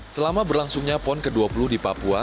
selama berlangsungnya pon ke dua puluh di papua